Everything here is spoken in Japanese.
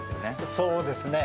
そうですね。